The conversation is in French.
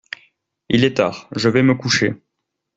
Il est tard, je vais me coucher.